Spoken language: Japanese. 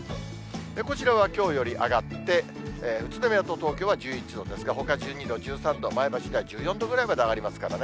こちらはきょうより上がって、宇都宮と東京は１１度ですが、ほか１２度、１３度、前橋が１４度くらいまで上がりますからね。